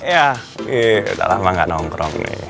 ih udah lama ga nongkrong nih